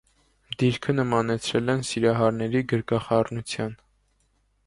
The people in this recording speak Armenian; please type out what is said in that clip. Դիրքը նմանեցրել են սիրահարների գրկախառնության։